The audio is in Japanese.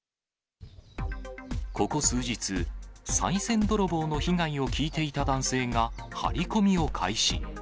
ここ数日、さい銭泥棒の被害を聞いていた男性が張り込みを開始。